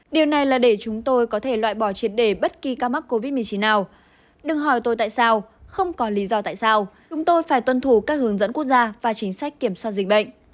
điều này là để chúng tôi có thể loại bỏ triệt đề bất kỳ ca mắc covid một mươi chín nào đừng hỏi tôi tại sao không có lý do tại sao chúng tôi phải tuân thủ các hướng dẫn quốc gia và chính sách kiểm soát dịch bệnh